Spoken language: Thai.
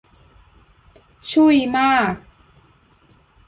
ชุ่ยมาก !